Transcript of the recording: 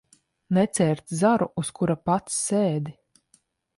Necērt zaru, uz kura pats sēdi.